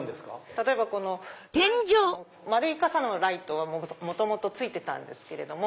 例えばこの丸い傘のライトは元々ついてたんですけれども。